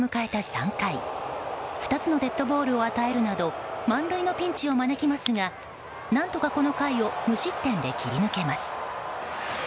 ３回２つのデッドボールを与えるなど満塁のピンチを招きますが何とかこの回を無失点で切り抜けます。